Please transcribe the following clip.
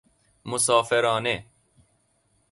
مسافرانه